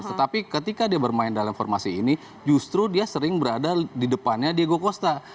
tetapi ketika dia bermain dalam formasi ini justru dia sering berada di depannya diego costa